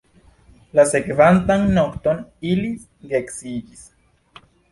La sekvantan nokton ili geedziĝis.